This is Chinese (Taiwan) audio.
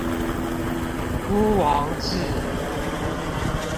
巫王志